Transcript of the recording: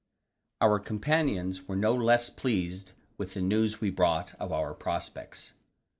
Our companions were no less pleased with the news we brought of our prospects.